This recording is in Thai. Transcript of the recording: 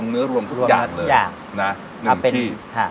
เส้นหมีนะแล้วก็เส้นเล็ก